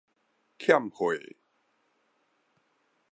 欠貨